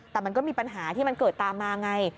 แต่มันก็มีปัญหาที่มันเกิดตามมาไง